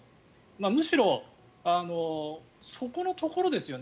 むしろ、そこのところですよね。